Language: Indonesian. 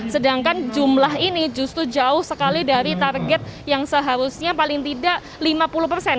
sedangkan jumlah ini justru jauh sekali dari target yang seharusnya paling tidak lima puluh persen